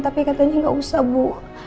tapi katanya nggak usah bu